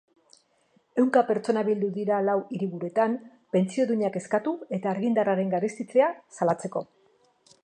Ehunka pertsona bildu dira lau hiriburuetan pentsio duinak eskatu eta argindarraren garestitzea salatzeko.